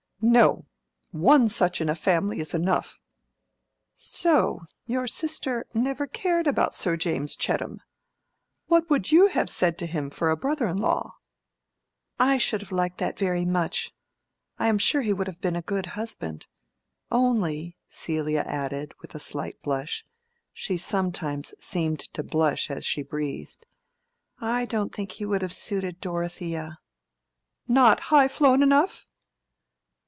"No; one such in a family is enough. So your sister never cared about Sir James Chettam? What would you have said to him for a brother in law?" "I should have liked that very much. I am sure he would have been a good husband. Only," Celia added, with a slight blush (she sometimes seemed to blush as she breathed), "I don't think he would have suited Dorothea." "Not high flown enough?"